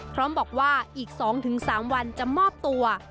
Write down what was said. พร้อมบอกว่าอีก๒๓วันจะมอบตัว